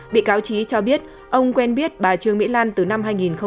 bị cáo trí cho biết ông quen biết bà trương mỹ lan từ năm hai nghìn một mươi